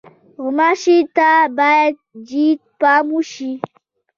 غوماشې ته باید جدي پام وشي.